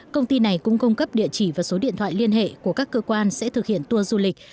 công ty này cũng cung cấp địa chỉ và số điện thoại liên hệ của các cơ quan sẽ thực hiện tour du lịch